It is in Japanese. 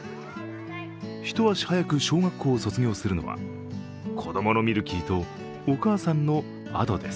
ひと足早く小学校を卒業するのは子供のミルキーとお母さんのアドです。